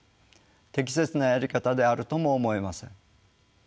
適切なやり方であるとも思えません。